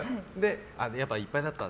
やっぱりいっぱいだった。